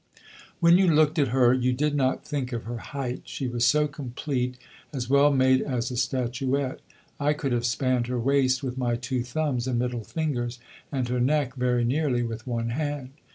"When you looked at her you did not think of her height. She was so complete; as well made as a statuette. I could have spanned her waist with my two thumbs and middle fingers, and her neck (very nearly) with one hand.